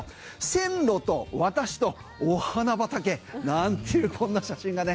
「線路と私とお花畑」なんていうこんな写真がね